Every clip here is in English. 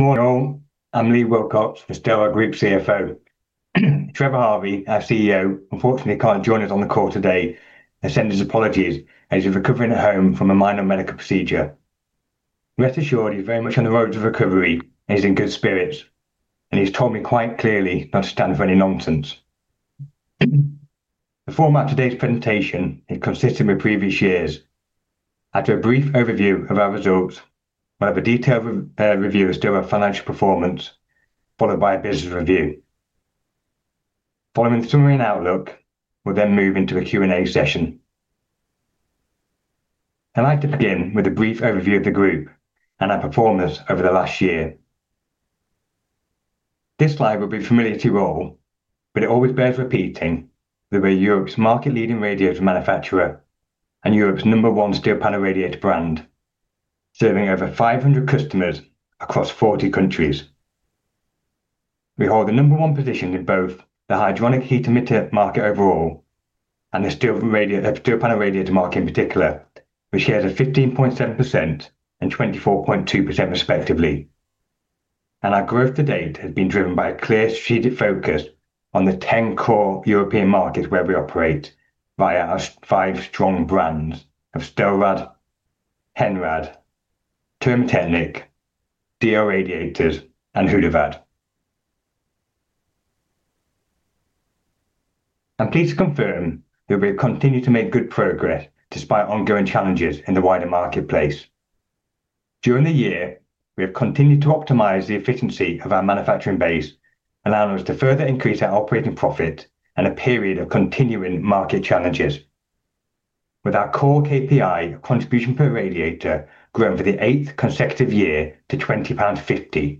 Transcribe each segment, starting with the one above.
Good morning, all. I'm Leigh Wilcox, the Stelrad Group CFO. Trevor Harvey, our CEO, unfortunately, can't join us on the call today and sends his apologies as he's recovering at home from a minor medical procedure. Rest assured, he's very much on the road to recovery and he's in good spirits and he's told me quite clearly not to stand for any nonsense. The format of today's presentation is consistent with previous years. After a brief overview of our results, we'll have a detailed review of Stelrad's financial performance, followed by a business review. Following the summary and outlook, we'll then move into a Q&A session. I'd like to begin with a brief overview of the group and our performance over the last year. This slide will be familiar to you all but it always bears repeating that we're Europe's market-leading radiator manufacturer and Europe's number one steel panel radiator brand, serving over 500 customers across 40 countries. We hold the number one position in both the hydronic heat emitter market overall and the steel panel radiator market in particular, with shares of 15.7% and 24.2% respectively. Our growth to date has been driven by a clear strategic focus on the 10 core European markets where we operate by our five strong brands of Stelrad, Henrad, Termo Teknik, DL Radiators and Hudevad. I'm pleased to confirm that we have continued to make good progress despite ongoing challenges in the wider marketplace. During the year, we have continued to optimize the efficiency of our manufacturing base, allowing us to further increase our operating profit in a period of continuing market challenges. With our core KPI contribution per radiator growing for the eighth consecutive year to 20.50 pounds,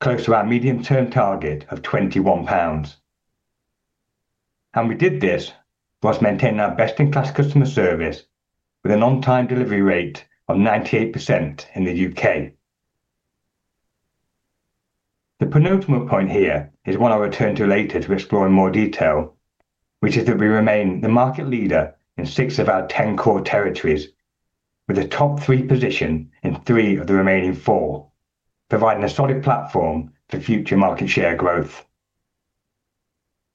close to our medium-term target of 21 pounds. We did this whilst maintaining our best-in-class customer service with an on-time delivery rate of 98% in the U.K. The penultimate point here is one I'll return to later to explore in more detail, which is that we remain the market leader in six of our 10 core territories, with a top three position in three of the remaining four, providing a solid platform for future market share growth.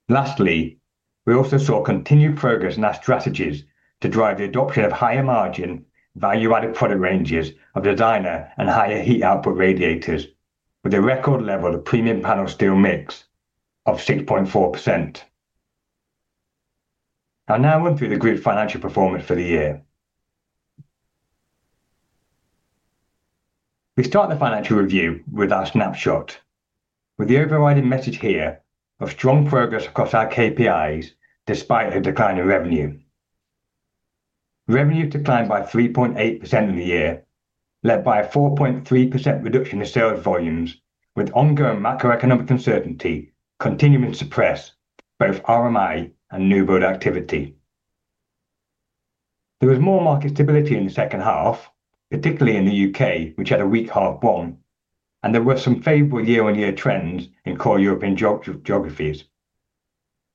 Lastly, we also saw continued progress in our strategies to drive the adoption of higher margin, value-added product ranges of designer and higher heat output radiators, with a record level of premium panel steel mix of 6.4%. I'll now run through the group financial performance for the year. We start the financial review with our snapshot, with the overriding message here of strong progress across our KPIs despite a decline in revenue. Revenue declined by 3.8% in the year, led by a 4.3% reduction in sales volumes, with ongoing macroeconomic uncertainty continuing to suppress both RMI and new build activity. There was more market stability in the second half, particularly in the U.K., which had a weak half one and there were some favorable year-on-year trends in core European geographies.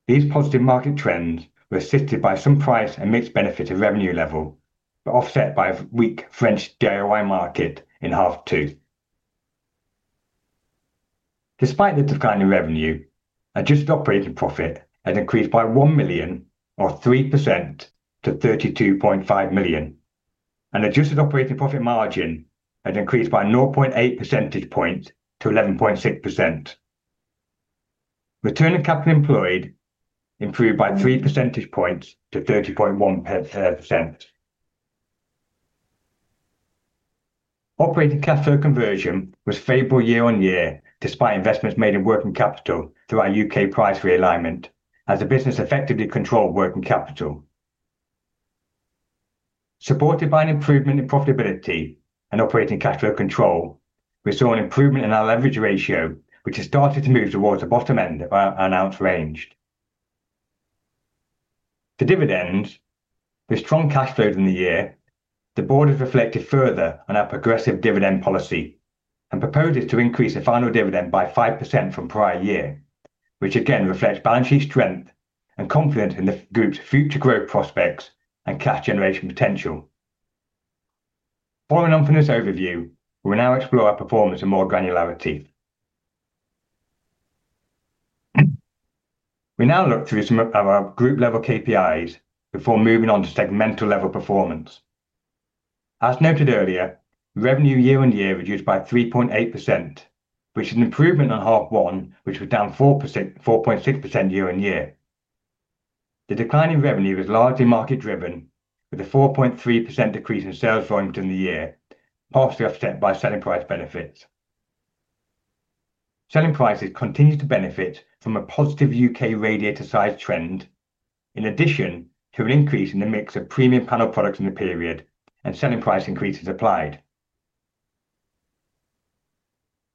These positive market trends were assisted by some price and mix benefit at revenue level but offset by a weak French DIY market in half two. Despite the decline in revenue, adjusted operating profit has increased by 1 million or 3% to 32.5 million and adjusted operating profit margin has increased by 0.8 percentage points to 11.6%. Return on capital employed improved by 3 percentage points to 30.1%. Operating cash flow conversion was favorable year-on-year, despite investments made in working capital through our U.K. price realignment as the business effectively controlled working capital. Supported by an improvement in profitability and operating cash flow control, we saw an improvement in our leverage ratio, which has started to move towards the bottom end of our announced range. The dividend. With strong cash flows in the year, the board has reflected further on our progressive dividend policy and proposes to increase the final dividend by 5% from prior year, which again reflects balance sheet strength and confidence in the group's future growth prospects and cash generation potential. Following on from this overview, we will now explore our performance in more granularity. We now look through some of our group level KPIs before moving on to segmental level performance. As noted earlier, revenue year-on-year reduced by 3.8%, which is an improvement on half one, which was down 4%, 4.6% year-on-year. The decline in revenue is largely market driven, with a 4.3% decrease in sales volume during the year, partially offset by selling price benefits. Selling prices continued to benefit from a positive U.K. radiator size trend, in addition to an increase in the mix of premium panel products in the period and selling price increases applied.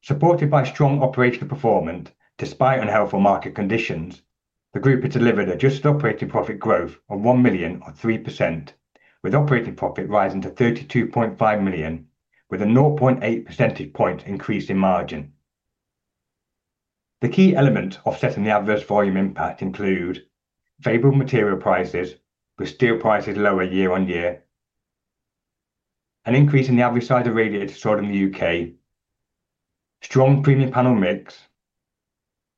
Supported by strong operational performance despite unhelpful market conditions, the group has delivered adjusted operating profit growth of 1 million or 3%, with operating profit rising to 32.5 million, with a 0.8 percentage point increase in margin. The key elements offsetting the adverse volume impact include favorable material prices, with steel prices lower year-on-year, an increase in the average size of radiator sold in the U.K., strong premium panel mix,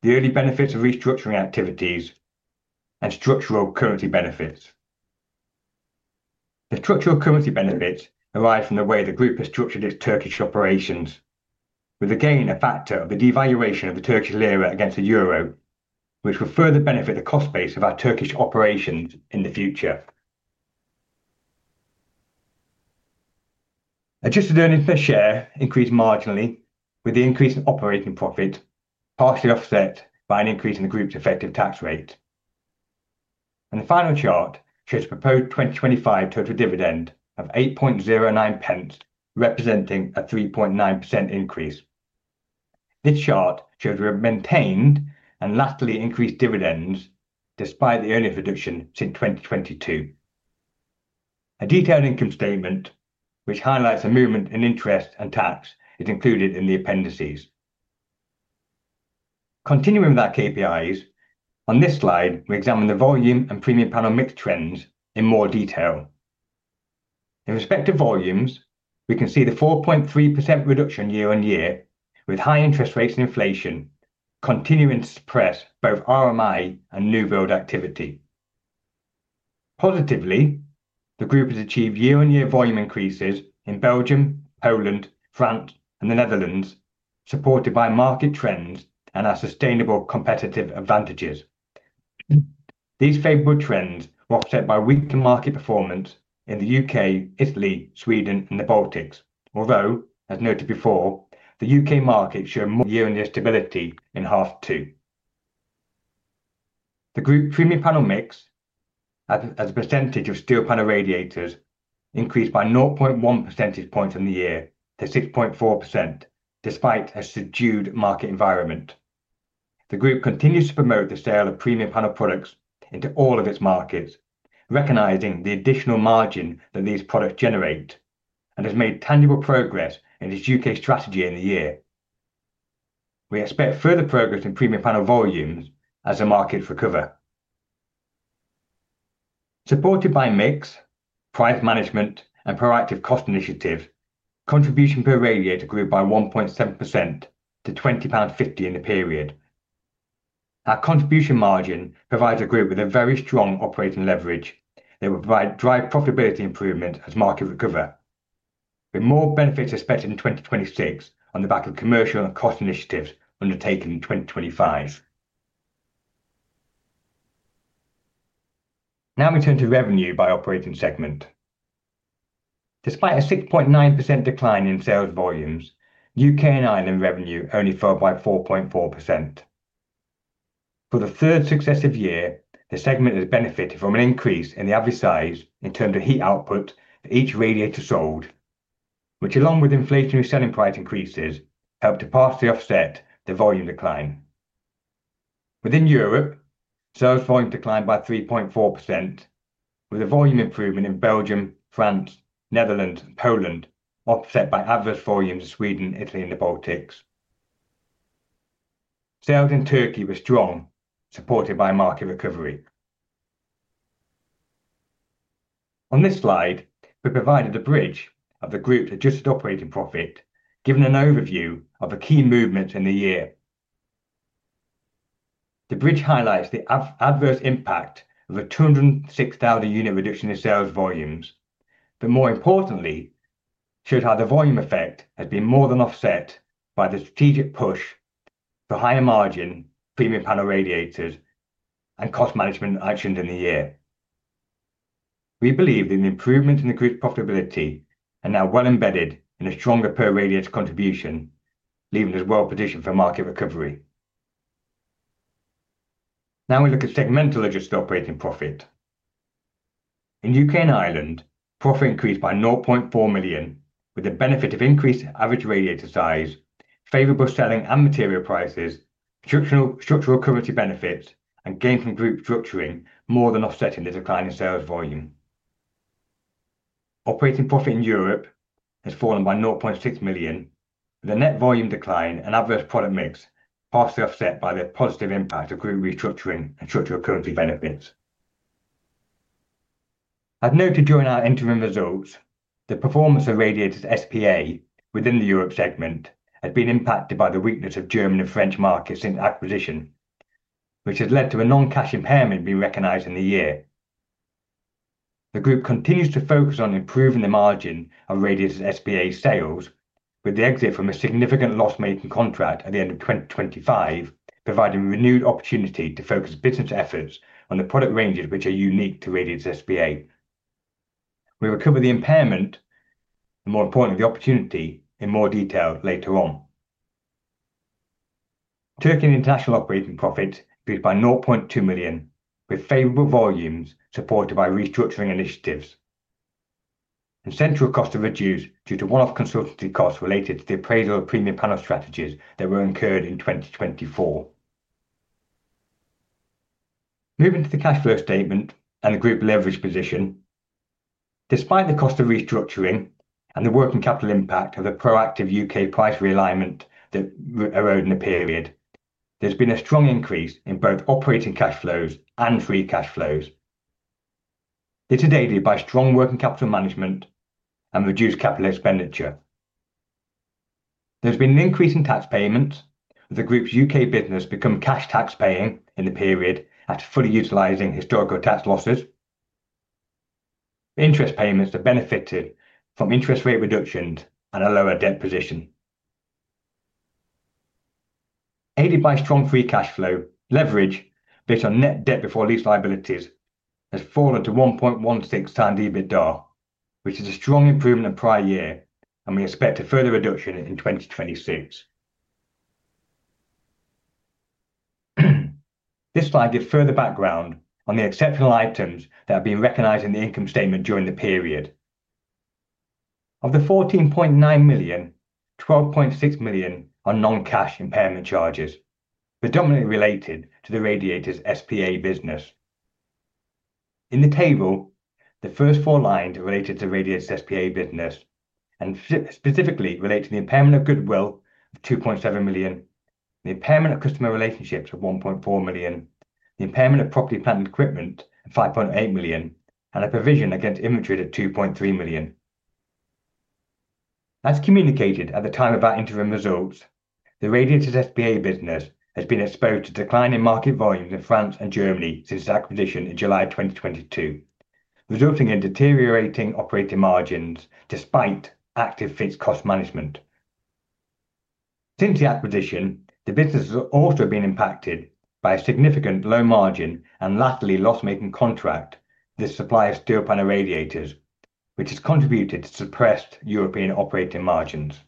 the early benefits of restructuring activities and structural currency benefits. The structural currency benefits arise from the way the group has structured its Turkish operations, with again a factor of the devaluation of the Turkish lira against the euro, which will further benefit the cost base of our Turkish operations in the future. Adjusted earnings per share increased marginally with the increase in operating profit partially offset by an increase in the group's effective tax rate. The final chart shows proposed 2025 total dividend of 0.0809, representing a 3.9% increase. This chart shows we have maintained and latterly increased dividends despite the earnings reduction since 2022. A detailed income statement which highlights the movement in interest and tax is included in the appendices. Continuing with our KPIs, on this slide, we examine the volume and premium panel mix trends in more detail. In respect to volumes, we can see the 4.3% reduction year-on-year, with high interest rates and inflation continuing to suppress both RMI and new build activity. Positively, the group has achieved year-on-year volume increases in Belgium, Poland, France and the Netherlands, supported by market trends and our sustainable competitive advantages. These favorable trends were offset by weaker market performance in the U.K., Italy, Sweden and the Baltics, although, as noted before, the U.K. market showed more year-on-year stability in H2. The group premium panel mix as a percentage of steel panel radiators increased by 0.1 percentage points on the year to 6.4% despite a subdued market environment. The group continues to promote the sale of premium panel products into all of its markets, recognizing the additional margin that these products generate and has made tangible progress in its U.K. strategy in the year. We expect further progress in premium panel volumes as the markets recover. Supported by mix, price management and proactive cost initiatives, contribution per radiator grew by 1.7% to £20.50 in the period. Our contribution margin provides the group with a very strong operating leverage that will provide, drive profitability improvement as markets recover, with more benefits expected in 2026 on the back of commercial and cost initiatives undertaken in 2025. Now we turn to revenue by operating segment. Despite a 6.9% decline in sales volumes, U.K. and Ireland revenue only fell by 4.4%. For the third successive year, the segment has benefited from an increase in the average size in terms of heat output for each radiator sold, which along with inflationary selling price increases helped to partially offset the volume decline. Within Europe, sales volume declined by 3.4% with a volume improvement in Belgium, France, Netherlands and Poland, offset by adverse volumes in Sweden, Italy and the Baltics. Sales in Turkey were strong, supported by a market recovery. On this slide, we provided a bridge of the group's adjusted operating profit, giving an overview of the key movements in the year. The bridge highlights the adverse impact of a 206,000-unit reduction in sales volumes but more importantly, shows how the volume effect has been more than offset by the strategic push for higher margin premium panel radiators and cost management actions in the year. We believe the improvements in the group's profitability are now well embedded in a stronger per radiator contribution, leaving us well positioned for market recovery. Now we look at segmental adjusted operating profit. In U.K. and Ireland, profit increased by 0.4 million, with the benefit of increased average radiator size, favorable selling and material prices, structural currency benefits and gains from group restructuring more than offsetting the decline in sales volume. Operating profit in Europe has fallen by 0.6 million, with a net volume decline and adverse product mix partially offset by the positive impact of group restructuring and structural currency benefits. As noted during our interim results, the performance of DL Radiators S.p.A. within the Europe segment has been impacted by the weakness of German and French markets since acquisition, which has led to a non-cash impairment being recognized in the year. The group continues to focus on improving the margin of DL Radiators S.p.A. sales, with the exit from a significant loss-making contract at the end of 2025 providing renewed opportunity to focus business efforts on the product ranges which are unique to DL Radiators S.p.A. We will cover the impairment and more importantly, the opportunity in more detail later on. Turkey and International operating profit grew by 0.2 million, with favorable volumes supported by restructuring initiatives. Central costs are reduced due to one-off consultancy costs related to the appraisal of premium panel strategies that were incurred in 2024. Moving to the cash flow statement and the group leverage position. Despite the cost of restructuring and the working capital impact of a proactive U.K. price realignment that erode in the period, there's been a strong increase in both operating cash flows and free cash flows. It's aided by strong working capital management and reduced capital expenditure. There's been an increase in tax payments, the group's U.K. business become cash taxpaying in the period after fully utilizing historical tax losses. Interest payments have benefited from interest rate reductions and a lower debt position. Aided by strong free cash flow, leverage based on net debt before lease liabilities has fallen to 1.16x EBITDA, which is a strong improvement on prior year and we expect a further reduction in 2026. This slide gives further background on the exceptional items that have been recognized in the income statement during the period. Of the 14.9 million, 12.6 million are non-cash impairment charges, predominantly related to the DL Radiators S.p.A. business. In the table, the first four lines are related to DL Radiators S.p.A. business and specifically relate to the impairment of goodwill of 2.7 million, the impairment of customer relationships of 1.4 million, the impairment of property, plant and equipment of 5.8 million and a provision against inventory of 2.3 million. As communicated at the time of our interim results, the DL Radiators S.p.A. business has been exposed to declining market volumes in France and Germany since acquisition in July 2022, resulting in deteriorating operating margins despite active fixed cost management. Since the acquisition, the business has also been impacted by a significant low margin and latterly loss-making contract, this supply of steel panel radiators, which has contributed to suppressed European operating margins.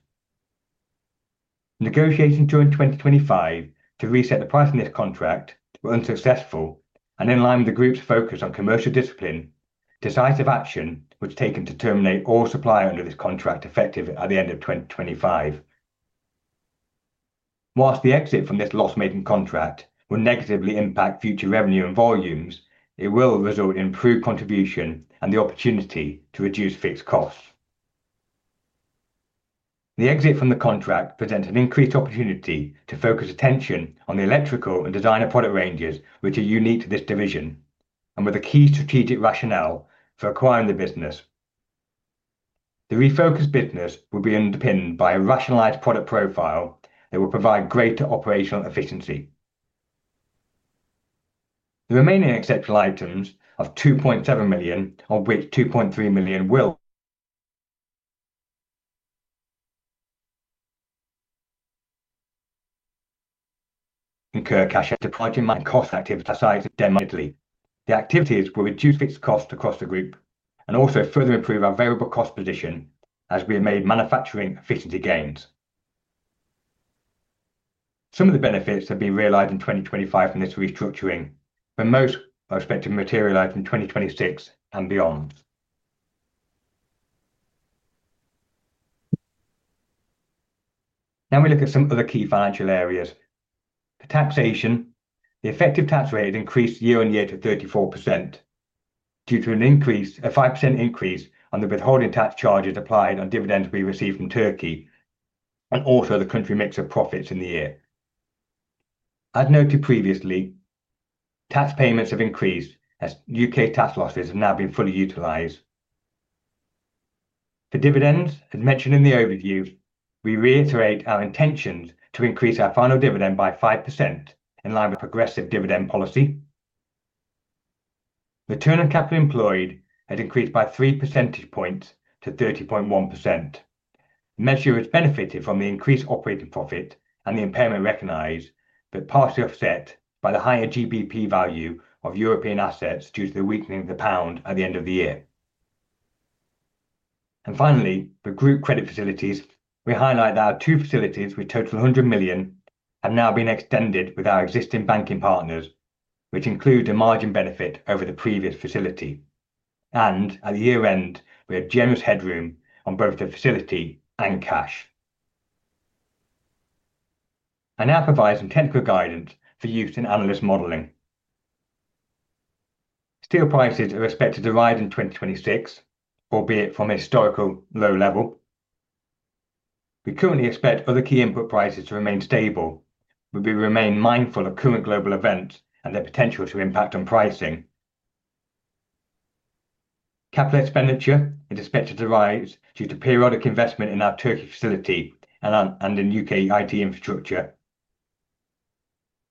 Negotiations during 2025 to reset the price in this contract were unsuccessful and in line with the group's focus on commercial discipline, decisive action was taken to terminate all supply under this contract effective at the end of 2025. While the exit from this loss-making contract will negatively impact future revenue and volumes, it will result in improved contribution and the opportunity to reduce fixed costs. The exit from the contract presents an increased opportunity to focus attention on the electrical and designer product ranges, which are unique to this division and were the key strategic rationale for acquiring the business. The refocused business will be underpinned by a rationalized product profile that will provide greater operational efficiency. The remaining exceptional items of 2.7 million, of which GBP 2.3 million will incur cash deployed in cost activity.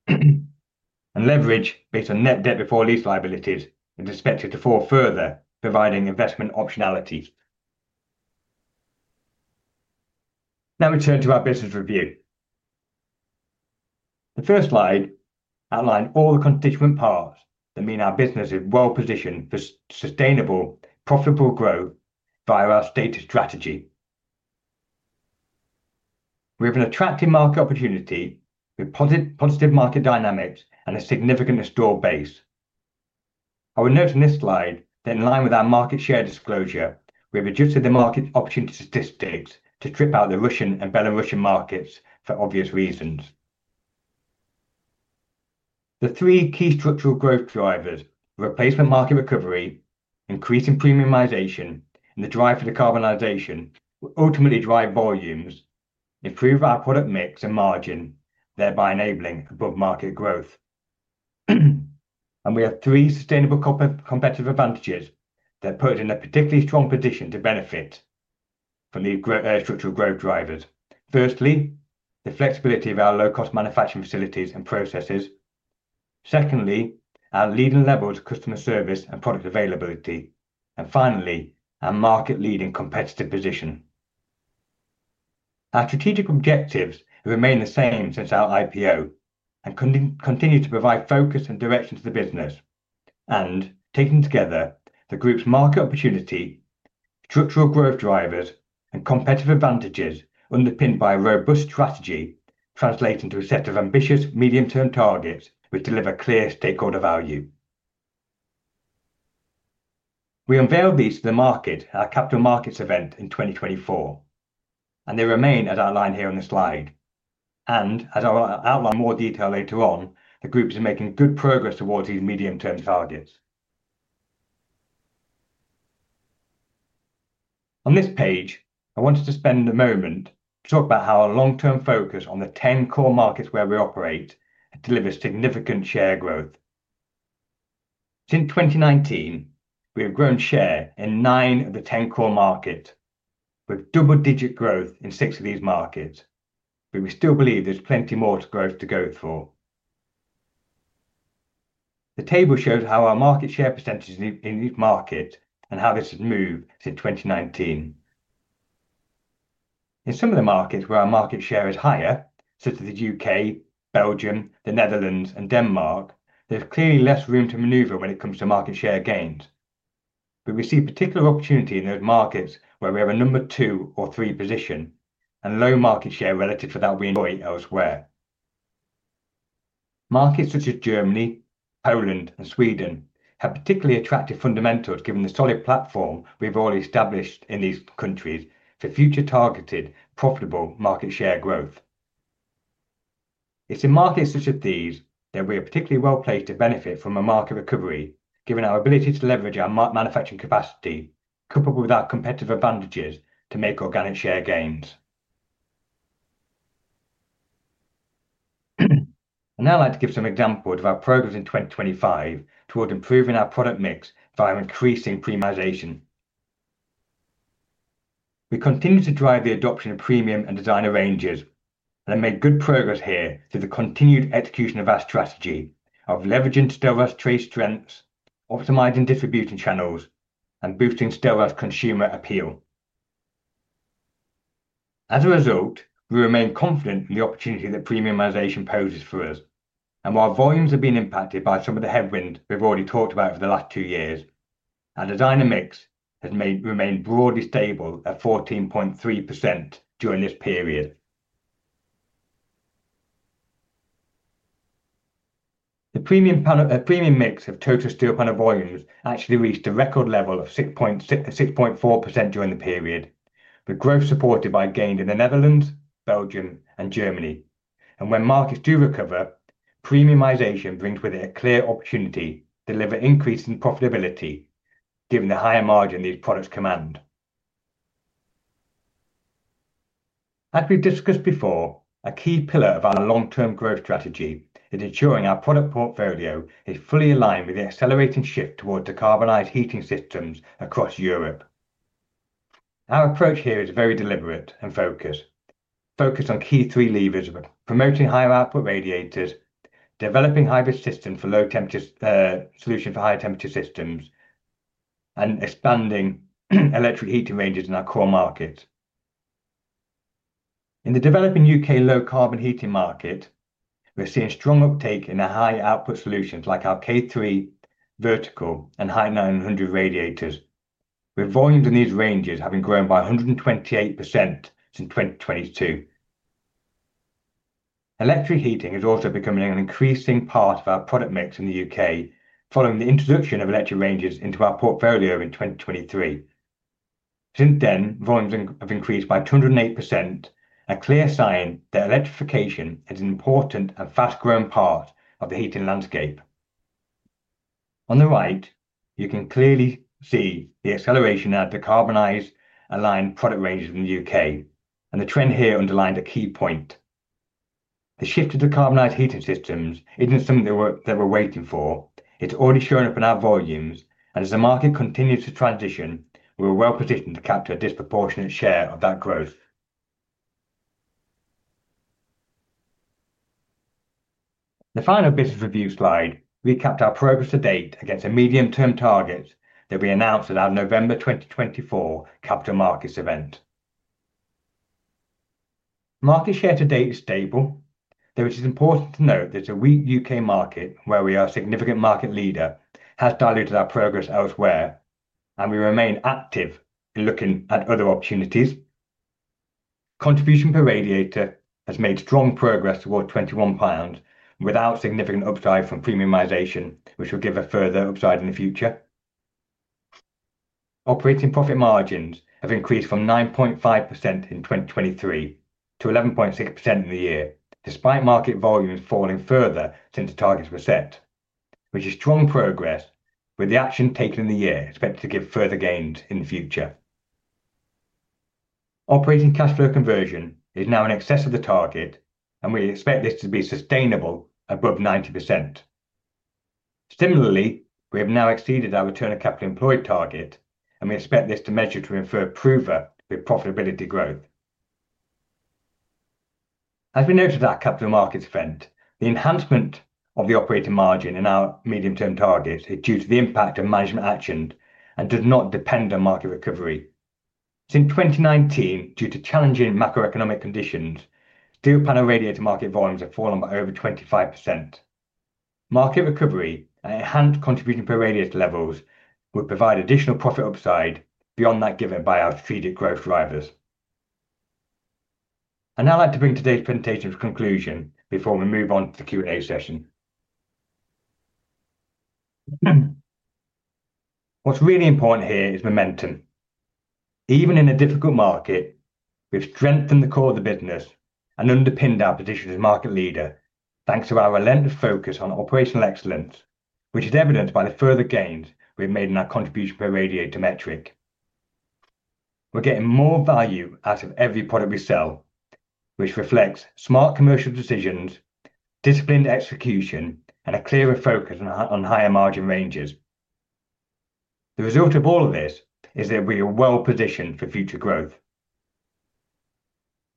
Now we turn to our business review. The first slide outlines all the constituent parts that mean our business is well positioned for sustainable, profitable growth via our stated strategy. We have an attractive market opportunity with positive market dynamics and a significant installed base. I would note in this slide that in line with our market share disclosure, we have adjusted the market opportunity statistics to strip out the Russian and Belarusian markets for obvious reasons. The three key structural growth drivers, replacement market recovery, increase in premiumization and the drive for decarbonization, will ultimately drive volumes, improve our product mix and margin, thereby enabling above market growth. We have three sustainable competitive advantages that put us in a particularly strong position to benefit from these structural growth drivers. Firstly, the flexibility of our low cost manufacturing facilities and processes. Secondly, our leading levels of customer service and product availability. Finally, our market leading competitive position. Our strategic objectives remain the same since our IPO and continue to provide focus and direction to the business. Taken together, the group's market opportunity, structural growth drivers and competitive advantages underpinned by a robust strategy translate into a set of ambitious medium-term targets which deliver clear stakeholder value. We unveiled these to the market at our capital markets event in 2024 and they remain as outlined here on the slide. As I'll outline in more detail later on, the group is making good progress towards these medium term targets. On this page, I wanted to spend a moment to talk about how our long term focus on the 10 core markets where we operate delivers significant share growth. Since 2019, we have grown share in 9 of the 10 core markets, with double-digit growth in six of these markets but we still believe there's plenty more to growth to go for. The table shows how our market share percentages in these markets and how this has moved since 2019. In some of the markets where our market share is higher, such as the U.K., Belgium, the Netherlands and Denmark, there's clearly less room to maneuver when it comes to market share gains. We see particular opportunity in those markets where we have a number two or three position and low market share relative to that we enjoy elsewhere. Markets such as Germany, Poland and Sweden have particularly attractive fundamentals given the solid platform we've already established in these countries for future targeted, profitable market share growth. It's in markets such as these that we are particularly well placed to benefit from a market recovery, given our ability to leverage our manufacturing capacity, coupled with our competitive advantages to make organic share gains. I'd now like to give some examples of our progress in 2025 towards improving our product mix via increasing premiumization. We continue to drive the adoption of premium and designer ranges and have made good progress here through the continued execution of our strategy of leveraging Stelrad's trade strengths, optimizing distribution channels and boosting Stelrad's consumer appeal. As a result, we remain confident in the opportunity that premiumization poses for us. While volumes have been impacted by some of the headwinds we've already talked about for the last two years, our designer mix has remained broadly stable at 14.3% during this period. The premium mix of total steel panel volumes actually reached a record level of 6.4% during the period, with growth supported by gains in the Netherlands, Belgium and Germany. When markets do recover, premiumization brings with it a clear opportunity to deliver increase in profitability given the higher margin these products command. As we've discussed before, a key pillar of our long term growth strategy is ensuring our product portfolio is fully aligned with the accelerating shift towards decarbonized heating systems across Europe. Our approach here is very deliberate and focused. Focused on key three levers of promoting higher output radiators, developing solution for higher temperature systems and expanding electric heating ranges in our core markets. In the developing U.K. low carbon heating market, we're seeing strong uptake in the higher output solutions like our K3 Vertical and High 900 radiators., with volumes in these ranges having grown by 128% since 2022. Electric heating is also becoming an increasing part of our product mix in the U.K. following the introduction of electric ranges into our portfolio in 2023. Since then, volumes have increased by 208%, a clear sign that electrification is an important and fast-growing part of the heating landscape. On the right, you can clearly see the acceleration of our decarbonized aligned product ranges in the U.K. The trend here underlined a key point. The shift to decarbonized heating systems isn't something that we're waiting for. It's already showing up in our volumes. As the market continues to transition, we're well-positioned to capture a disproportionate share of that growth. The final business review slide, we kept our progress to date against the medium term targets that we announced at our November 2024 capital markets event. Market share to date is stable, though it is important to note that the weak U.K. market, where we are a significant market leader, has diluted our progress elsewhere and we remain active in looking at other opportunities. Contribution per radiator has made strong progress toward 21 pounds without significant upside from premiumization, which will give a further upside in the future. Operating profit margins have increased from 9.5% in 2023 to 11.6% in the year, despite market volumes falling further since the targets were set, which is strong progress with the action taken in the year expected to give further gains in the future. Operating cash flow conversion is now in excess of the target and we expect this to be sustainable above 90%. Similarly, we have now exceeded our return on capital employed target and we expect this to measure to improve further with profitability growth. As we noted at our capital markets event, the enhancement of the operating margin in our medium-term targets is due to the impact of management actions and does not depend on market recovery. Since 2019, due to challenging macroeconomic conditions, steel panel radiator market volumes have fallen by over 25%. Market recovery and enhanced contribution per radiator levels would provide additional profit upside beyond that given by our strategic growth drivers. I'd now like to bring today's presentation to conclusion before we move on to the Q&A session. What's really important here is momentum. Even in a difficult market, we've strengthened the core of the business and underpinned our position as market leader thanks to our relentless focus on operational excellence, which is evidenced by the further gains we've made in our contribution per radiator metric. We're getting more value out of every product we sell, which reflects smart commercial decisions, disciplined execution and a clearer focus on higher margin ranges. The result of all of this is that we are well-positioned for future growth.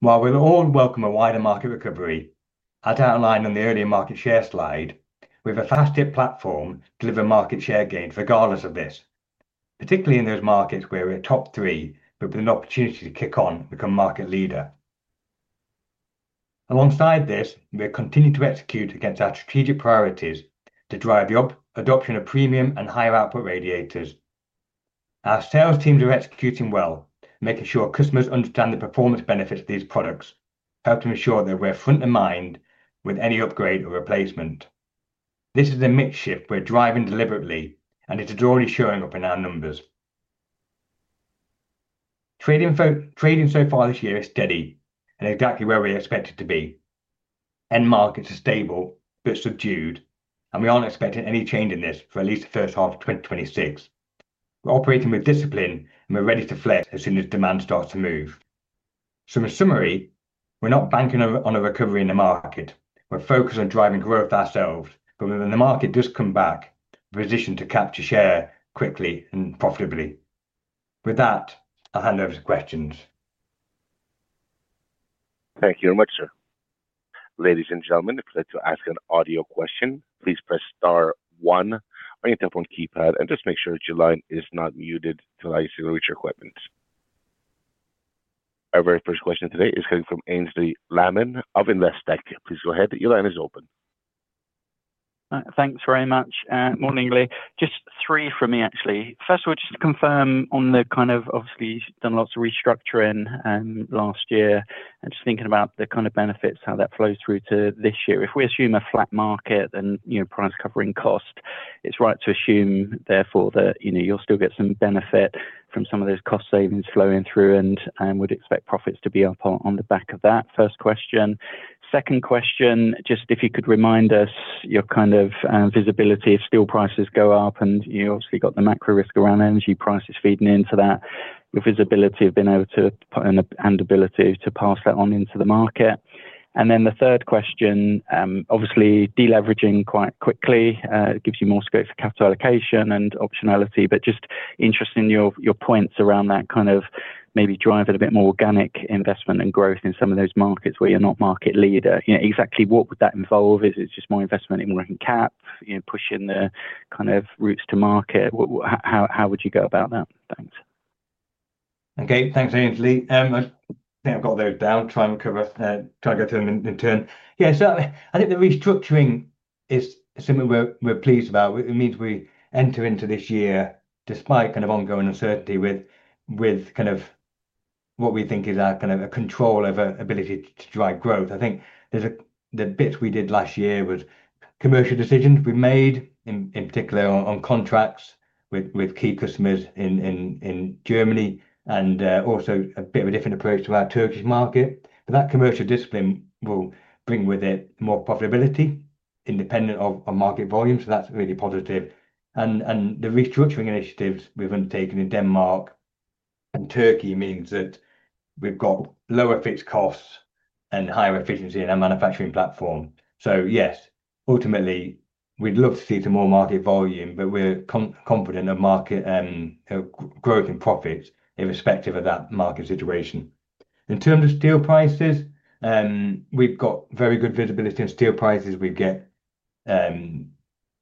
While we'll all welcome a wider market recovery, as outlined on the earlier market share slide, we have a faster platform to deliver market share gains regardless of this, particularly in those markets where we're top three but with an opportunity to kick on and become market leader. Alongside this, we're continuing to execute against our strategic priorities to drive the uptake of premium and higher output radiators. Our sales teams are executing well, making sure customers understand the performance benefits of these products, helping ensure that we're front of mind with any upgrade or replacement. This is a mix shift we're driving deliberately and it is already showing up in our numbers. Trading so far this year is steady and exactly where we expect it to be. End markets are stable but subdued and we aren't expecting any change in this for at least the first half of 2026. We're operating with discipline and we're ready to flex as soon as demand starts to move. In summary, we're not banking on a recovery in the market. We're focused on driving growth ourselves but when the market does come back, we're positioned to capture share quickly and profitably. With that, I'll hand over to questions. Thank you very much, sir. Ladies and gentlemen, if you would like to ask an audio question, please press star one on your telephone keypad and just make sure that your line is not muted till I signal with your equipment. Our very first question today is coming from Aynsley Lammin of Investec. Please go ahead. Your line is open. Thanks very much. Morning, Leigh. Just three from me, actually. First of all, just to confirm on the kind of obviously, you've done lots of restructuring last year. I'm just thinking about the kind of benefits, how that flows through to this year. If we assume a flat market then, you know, price covering cost, it's right to assume therefore that, you know, you'll still get some benefit from some of those cost savings flowing through and would expect profits to be up on the back of that. First question. Second question, just if you could remind us your kind of visibility if steel prices go up and you obviously got the macro risk around energy prices feeding into that, your visibility of being able to put in and ability to pass that on into the market. The third question, obviously, deleveraging quite quickly, it gives you more scope for capital allocation and optionality but just interested in your points around that kind of maybe driving a bit more organic investment and growth in some of those markets where you're not market leader. You know, exactly what would that involve? Is it just more investment in working cap, you know, pushing the kind of routes to market? How would you go about that? Thanks. Okay. Thanks, Aynsley. I think I've got those down. Try and cover, try and go to them in turn. I think the restructuring is something we're pleased about. It means we enter into this year despite kind of ongoing uncertainty with kind of what we think is our kind of a control over ability to drive growth. I think the bits we did last year was commercial decisions we made in particular on contracts with key customers in Germany and also a bit of a different approach to our Turkish market. That commercial discipline will bring with it more profitability independent of market volume. That's really positive. The restructuring initiatives we've undertaken in Denmark and Turkey means that we've got lower fixed costs and higher efficiency in our manufacturing platform. Yes, ultimately, we'd love to see some more market volume but we're confident of market growth and profits irrespective of that market situation. In terms of steel prices, we've got very good visibility in steel prices. We get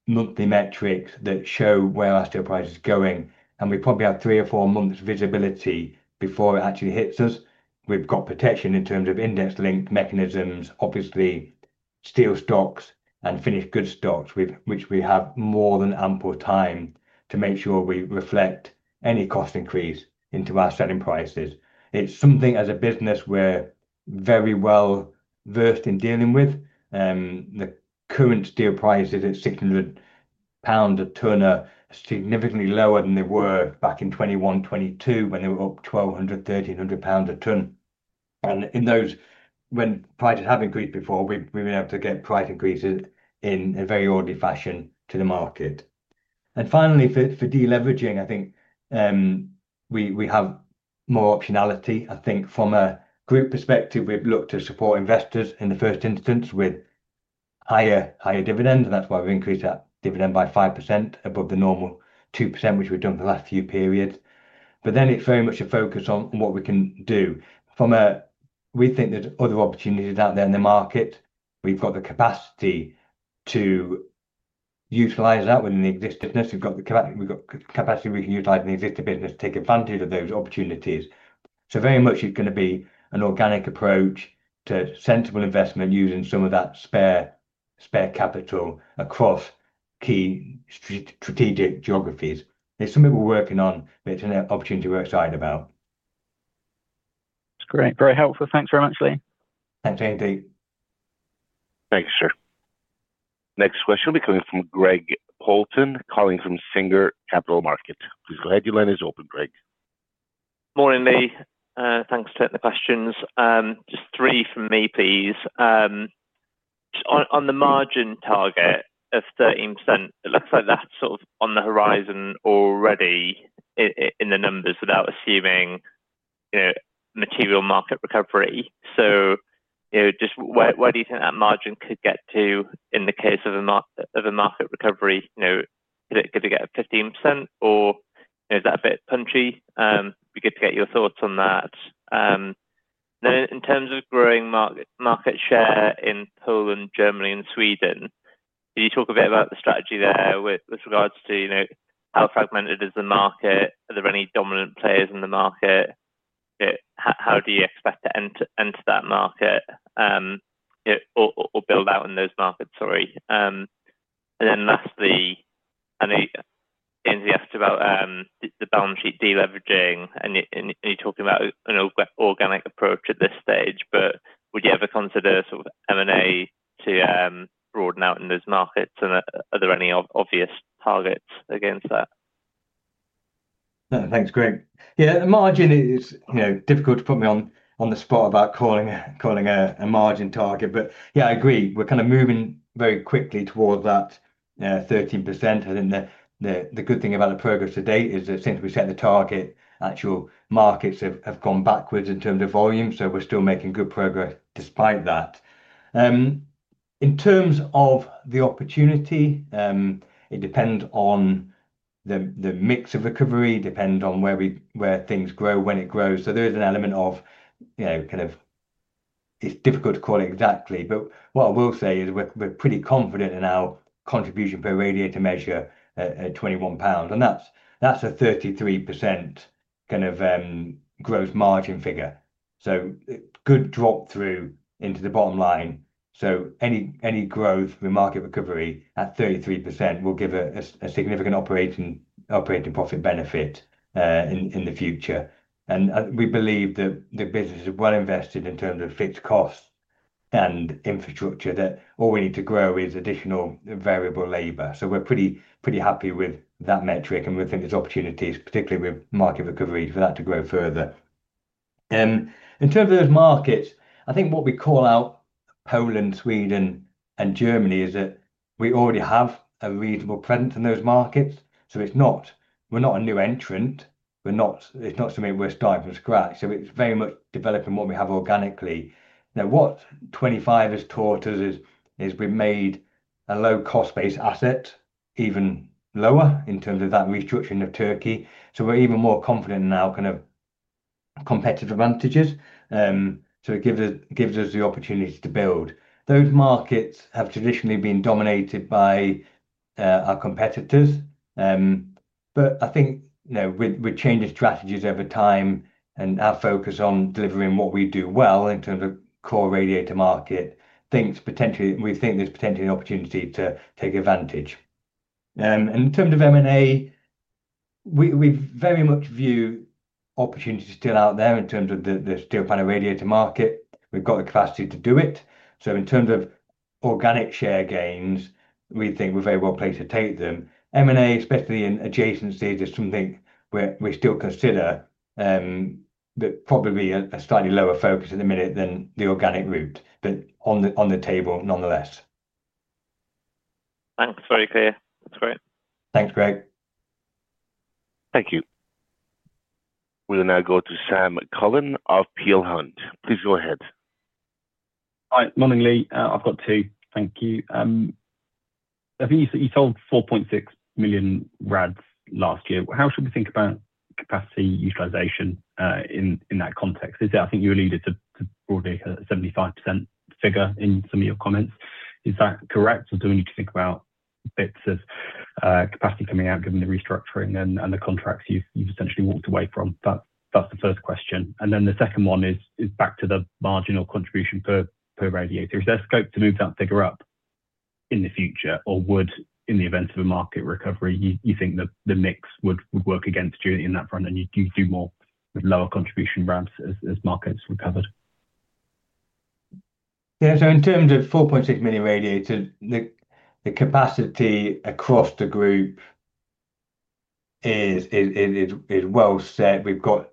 monthly metrics that show where our steel price is going and we probably have three or four months visibility before it actually hits us. We've got protection in terms of index link mechanisms. Obviously, steel stocks and finished goods stocks, which we have more than ample time to make sure we reflect any cost increase into our selling prices. It's something as a business we're very well-versed in dealing with. The current steel prices at 600 pound a ton are significantly lower than they were back in 2021, 2022 when they were up 1,200, 1,300 pounds a ton. In those when prices have increased before, we've been able to get price increases in a very orderly fashion to the market. Finally, for de-leveraging, I think we have more optionality. I think from a group perspective, we've looked to support investors in the first instance with higher dividends and that's why we've increased our dividend by 5% above the normal 2%, which we've done for the last few periods. Then it's very much a focus on what we can do. We think there's other opportunities out there in the market. We've got the capacity to utilize that within the existing business. We've got capacity we can utilize in the existing business to take advantage of those opportunities. Very much it's gonna be an organic approach to sensible investment using some of that spare capital across key strategic geographies. It's something we're working on but it's an opportunity we're excited about. That's great. Very helpful. Thanks very much, Leigh. Thanks, Aynsley. Thanks, sir. Next question will be coming from Greg Poulton, calling from Singer Capital Markets. Please go ahead, your line is open, Greg. Morning, Leigh. Thanks for taking the questions. Just three from me, please. On the margin target of 13%, it looks like that's sort of on the horizon already in the numbers without assuming, you know, material market recovery. You know, just where do you think that margin could get to in the case of a market recovery? You know, is it good to get a 15% or, you know, is that a bit punchy? Be good to get your thoughts on that. Then in terms of growing market share in Poland, Germany and Sweden, can you talk a bit about the strategy there with regards to, you know, how fragmented is the market? Are there any dominant players in the market? How do you expect to enter that market build out in those markets? Sorry. Lastly, I know Andy asked about the balance sheet deleveraging and you're talking about an organic approach at this stage. Would you ever consider sort of M&A to broaden out in those markets? Are there any obvious targets against that? No. Thanks, Greg. Yeah, the margin is, you know, difficult to put me on the spot about calling a margin target. Yeah, I agree. We're kind of moving very quickly towards that 13%. I think the good thing about the progress to date is that since we set the target, actual markets have gone backwards in terms of volume, so we're still making good progress despite that. In terms of the opportunity, it depends on the mix of recovery, depend on where we, where things grow, when it grows. There is an element of, you know, kind of it's difficult to call it exactly but what I will say is we're pretty confident in our contribution per radiator measure at 21 pounds. That's a 33% kind of growth margin figure. It could drop through into the bottom line. Any growth, the market recovery at 33% will give a significant operating profit benefit in the future. We believe that the business is well invested in terms of fixed costs and infrastructure, that all we need to grow is additional variable labor. We're pretty happy with that metric and we think there's opportunities, particularly with market recovery for that to grow further. In terms of those markets, I think what we call out Poland, Sweden and Germany is that we already have a reasonable presence in those markets. It's not, we're not a new entrant, we're not, it's not something we're starting from scratch. It's very much developing what we have organically. Now, what 2025 has taught us is we've made a low cost base asset even lower in terms of that restructuring of Turkey. We're even more confident now in our competitive advantages. It gives us the opportunity to build. Those markets have traditionally been dominated by our competitors. I think, you know, with changing strategies over time and our focus on delivering what we do well in terms of core radiator market, we think there's potentially an opportunity to take advantage. In terms of M&A, we very much view opportunities still out there in terms of the steel panel radiator market. We've got the capacity to do it. In terms of organic share gains, we think we're very well placed to take them. M&A, especially in adjacencies is something we still consider but probably a slightly lower focus at the minute than the organic route but on the table nonetheless. Thanks. Very clear. That's great. Thanks, Greg. Thank you. We'll now go to Sam Cullen of Peel Hunt. Please go ahead. Hi. Morning, Leigh. I've got two. Thank you. I think you sold 4.6 million rads last year. How should we think about capacity utilization in that context? Is it, I think you alluded to broadly a 75% figure in some of your comments? Is that correct or do we need to think about bits of capacity coming out given the restructuring and the contracts you've essentially walked away from? That's the first question. Then the second one is back to the marginal contribution per radiator. Is there scope to move that figure up in the future or would, in the event of a market recovery, you think the mix would work against you in that front and you do more with lower contribution rads as markets recovered? Yeah. In terms of 4.6 million radiators, the capacity across the group is well set. We've got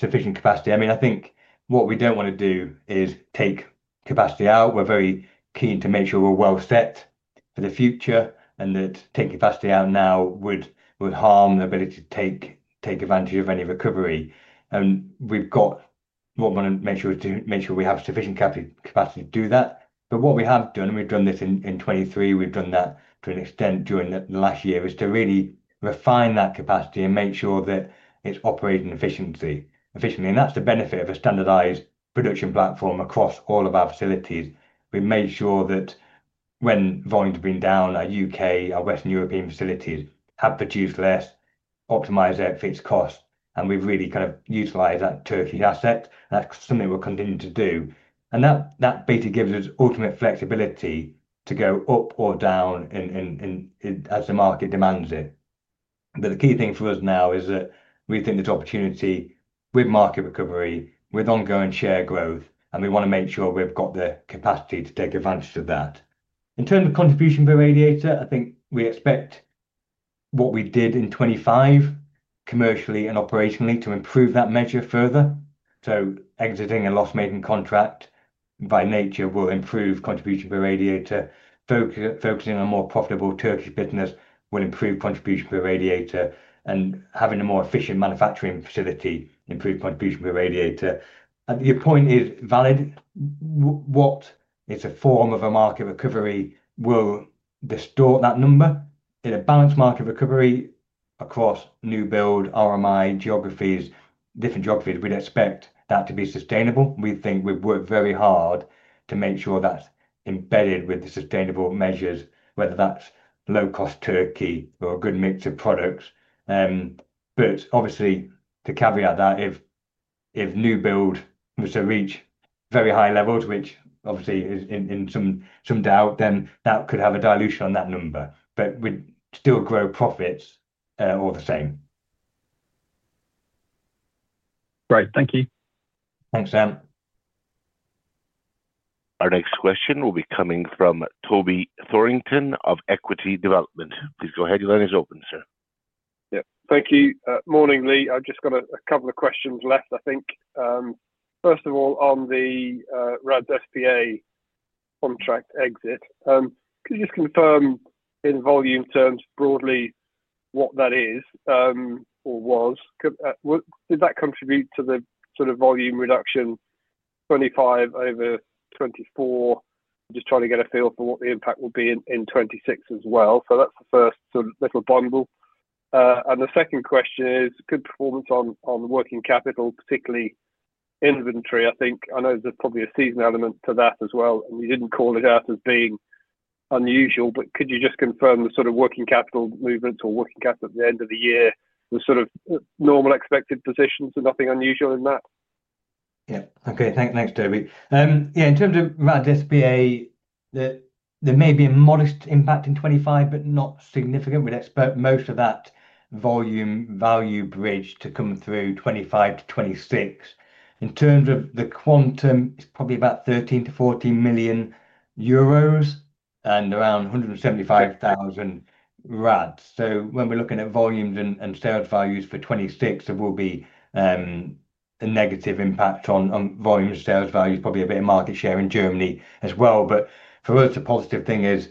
sufficient capacity. I mean, I think what we don't wanna do is take capacity out. We're very keen to make sure we're well set for the future and that take capacity out now would harm the ability to take advantage of any recovery. We've got what we wanna make sure is to make sure we have sufficient capacity to do that. But what we have done and we've done this in 2023, we've done that to an extent during the last year, is to really refine that capacity and make sure that it's operating efficiently. That's the benefit of a standardized production platform across all of our facilities. We've made sure that when volumes have been down, our U.K., our Western European facilities have produced less, optimized their fixed cost and we've really kind of utilized that Turkey asset. That's something we'll continue to do. That basically gives us ultimate flexibility to go up or down in, as the market demands it. The key thing for us now is that we think there's opportunity with market recovery, with ongoing share growth and we wanna make sure we've got the capacity to take advantage of that. In terms of contribution per radiator, I think we expect what we did in 25 commercially and operationally to improve that measure further. Exiting a loss-making contract, by nature, will improve contribution per radiator. Focusing on a more profitable Turkish business will improve contribution per radiator and having a more efficient manufacturing facility improve contribution per radiator. Your point is valid. What, in a form of a market recovery, will distort that number. In a balanced market recovery across new build, RMI, geographies, different geographies, we'd expect that to be sustainable. We think we've worked very hard to make sure that's embedded with the sustainable measures, whether that's low-cost Turkey or a good mix of products. Obviously, to caveat that, if new build was to reach very high levels, which obviously is in some doubt, then that could have a dilution on that number but we'd still grow profits, all the same. Great. Thank you. Thanks, Sam. Our next question will be coming from Toby Thorrington of Equity Development. Please go ahead. Your line is open, sir. Thank you. Morning, Leigh. I've just got a couple of questions left, I think. First of all, on the DL Radiators S.p.A. contract exit, could you just confirm in volume terms broadly what that is or was? Did that contribute to the sort of volume reduction 2025 over 2024? Just trying to get a feel for what the impact will be in 2026 as well. That's the first sort of little bundle. And the second question is good performance on working capital, particularly inventory, I think. I know there's probably a seasonal element to that as well and you didn't call it out as being unusual but could you just confirm the sort of working capital movements or working capital at the end of the year was sort of normal expected positions so nothing unusual in that? Yeah. Okay. Thanks, Toby. In terms of DL Radiators S.p.A., there may be a modest impact in 2025 but not significant. We'd expect most of that volume value bridge to come through 2025-2026. In terms of the quantum, it's probably about 13-14 million euros and around 175,000 RAD. When we're looking at volumes and sales values for 2026, there will be a negative impact on volume and sales values, probably a bit of market share in Germany as well. For us, the positive thing is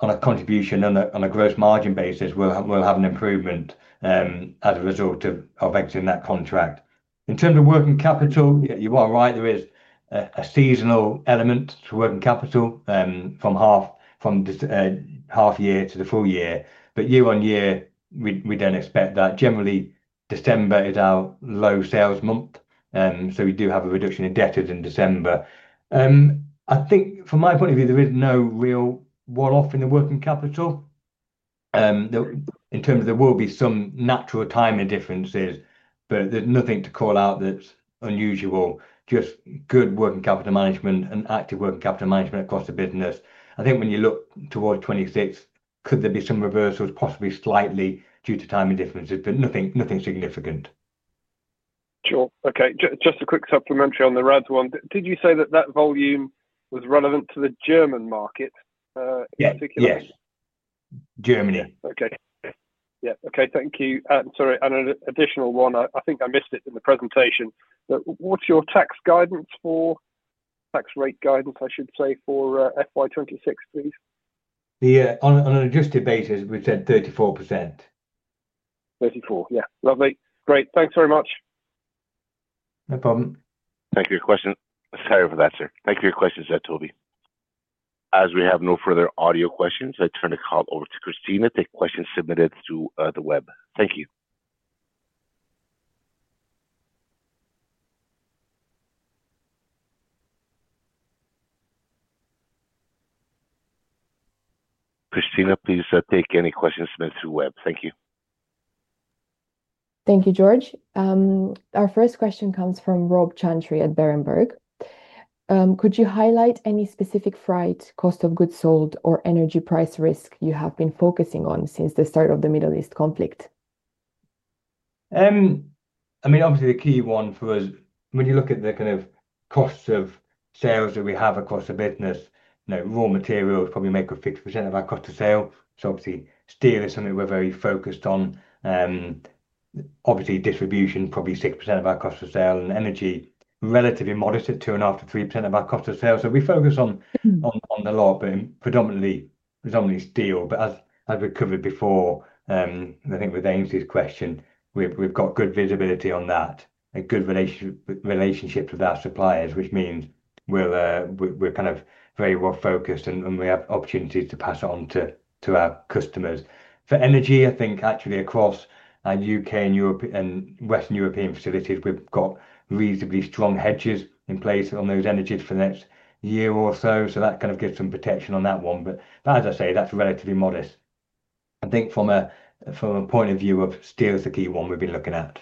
on a contribution on a gross margin basis, we'll have an improvement as a result of exiting that contract. In terms of working capital, you are right, there is a seasonal element to working capital, from half year to the full year. Year on year, we don't expect that. Generally, December is our low sales month, so we do have a reduction in debtors in December. I think from my point of view, there is no real wear off in the working capital. In terms of, there will be some natural timing differences but there's nothing to call out that's unusual, just good working capital management and active working capital management across the business. I think when you look towards 2026, could there be some reversals possibly slightly due to timing differences but nothing significant. Sure. Okay. Just a quick supplementary on the RAD one. Did you say that that volume was relevant to the German market, in particular? Yes. Germany. Okay. Yeah. Okay. Thank you. Sorry, an additional one, I think I missed it in the presentation. What's your tax rate guidance, I should say, for FY 2026, please? On an adjusted basis, we've said 34%. 34%. Yeah. Lovely. Great. Thanks very much. No problem. Thank you for your question. Sorry for that, sir. Thank you for your question, sir, Toby. As we have no further audio questions, I turn the call over to Christina to take questions submitted through the web. Thank you. Christina, please take any questions sent through web. Thank you. Thank you, George. Our first question comes from Rob Chantry at Berenberg. Could you highlight any specific freight cost of goods sold or energy price risk you have been focusing on since the start of the Middle East conflict? I mean, obviously the key one for us when you look at the kind of costs of sales that we have across the business, you know, raw materials probably make up 50% of our cost of sales. Obviously steel is something we're very focused on. Obviously distribution probably 6% of our cost of sales and energy relatively modest at 2.5%-3% of our cost of sales. We focus on a lot but predominantly steel. As we covered before, I think with Aynsley Lammin's question, we've got good visibility on that, a good relationship with our suppliers which means we're kind of very well focused and we have opportunities to pass on to our customers. For energy, I think actually across our U.K. and Europe and Western European facilities we've got reasonably strong hedges in place on those energies for the next year or so. That kind of gives some protection on that one. As I say, that's relatively modest. I think from a point of view of steel is the key one we've been looking at.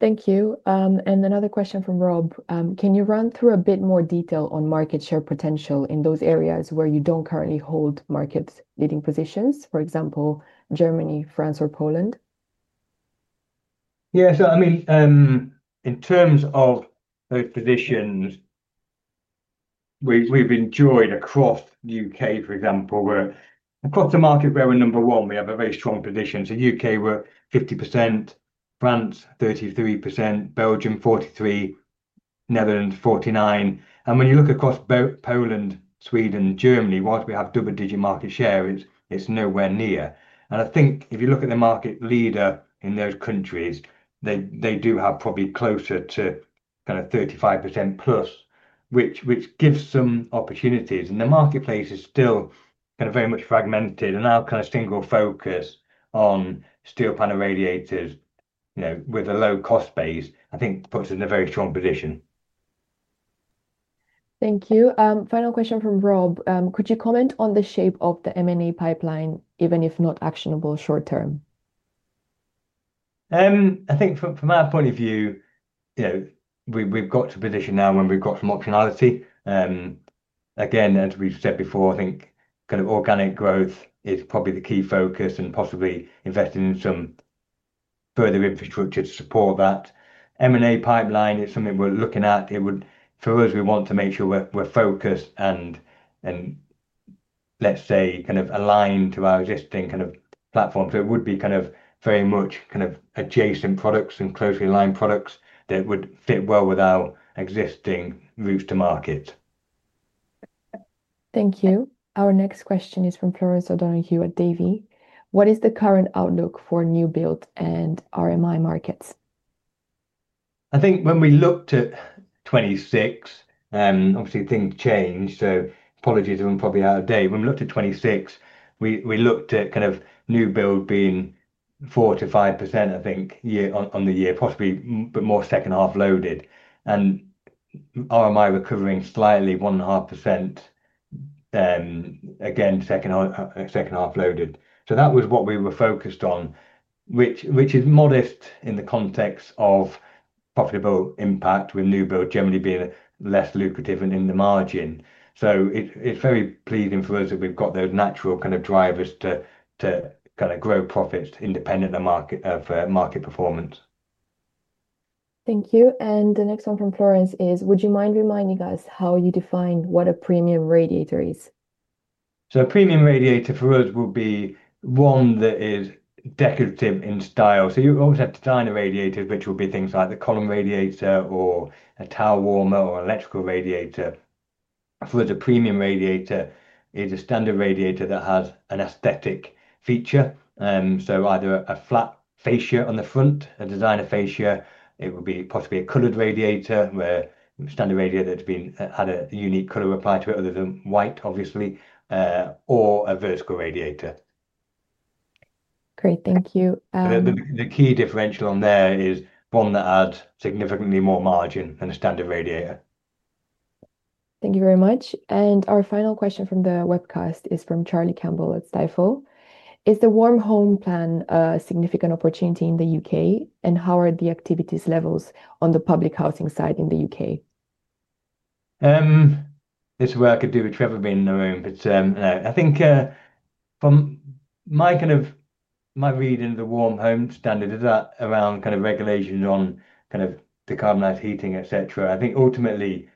Thank you. Another question from Rob Chantry. Can you run through a bit more detail on market share potential in those areas where you don't currently hold market leading positions, for example, Germany, France or Poland? Yeah. I mean, in terms of those positions, we've enjoyed across U.K., for example, where across the market we're number one, we have a very strong position. U.K. we're 50%, France 33%, Belgium 43%, Netherlands 49%. When you look across Poland, Sweden, Germany, while we have double-digit market share, it's nowhere near. I think if you look at the market leader in those countries, they do have probably closer to kind of 35%+, which gives some opportunities. The marketplace is still kind of very much fragmented. Our kind of single focus on steel panel radiators, you know, with a low cost base, I think puts us in a very strong position. Thank you. Final question from Rob. Could you comment on the shape of the M&A pipeline even if not actionable short term? I think from our point of view, you know, we've got to a position now when we've got some optionality. Again, as we've said before, I think kind of organic growth is probably the key focus and possibly investing in some further infrastructure to support that. M&A pipeline is something we're looking at. It would for us, we want to make sure we're focused and let's say kind of aligned to our existing kind of platform. It would be kind of very much kind of adjacent products and closely aligned products that would fit well with our existing routes to market. Thank you. Our next question is from Florence O'Donoghue at Davy. What is the current outlook for new build and RMI markets? I think when we looked at 2026, obviously things change, so apologies if I'm probably out of date. When we looked at 2026, we looked at kind of new build being 4%-5%, I think year on year, possibly but more second half loaded and RMI recovering slightly 1.5%, again, second half loaded. That was what we were focused on, which is modest in the context of profitable impact with new build generally being less lucrative and in the margin. It's very pleasing for us that we've got those natural kind of drivers to kind of grow profits independent of market performance. Thank you. The next one from Florence is, would you mind reminding us how you define what a premium radiator is? A premium radiator for us would be one that is decorative in style. You always have designer radiators, which will be things like the column radiator or a towel warmer or electrical radiator. For us, a premium radiator is a standard radiator that has an aesthetic feature, either a flat fascia on the front, a designer fascia, it would be possibly a colored radiator where a standard radiator that's had a unique color applied to it other than white, obviously or a vertical radiator. Great. Thank you. The key differential on there is one that adds significantly more margin than a standard radiator. Thank you very much. Our final question from the webcast is from Charlie Campbell at Stifel. Is the Warm Homes Plan a significant opportunity in the U.K. and how are the activity levels on the public housing side in the U.K.? This is where I could do with Trevor being in the room. No, I think from my read into the Future Homes Standard is that around regulations on decarbonized heating, et cetera. I think ultimately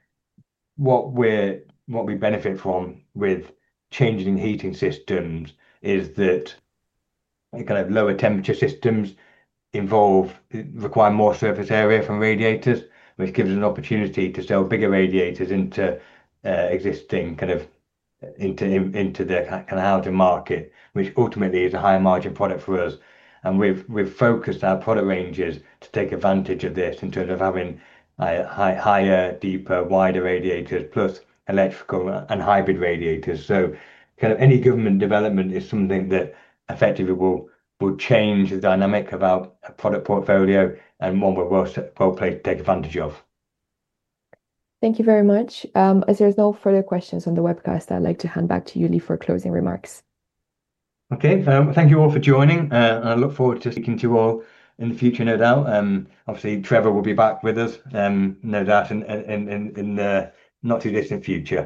what we benefit from with changing heating systems is that lower temperature systems require more surface area from radiators, which gives us an opportunity to sell bigger radiators into existing into the housing market, which ultimately is a higher margin product for us. We've focused our product ranges to take advantage of this in terms of having higher, deeper, wider radiators plus electrical and hybrid radiators. Kind of any government development is something that effectively will change the dynamic of our product portfolio and one we're well placed to take advantage of. Thank you very much. As there's no further questions on the webcast, I'd like to hand back to you, Leigh, for closing remarks. Okay. Thank you all for joining. I look forward to speaking to you all in the future, no doubt. Obviously Trevor will be back with us, no doubt in the not too distant future.